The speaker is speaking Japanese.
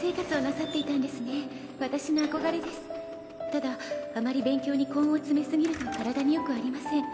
「ただあまり勉強に根を詰め過ぎると体に良くありません。